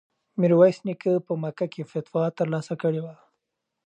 میرویس نیکه په مکه کې فتوا ترلاسه کړې وه.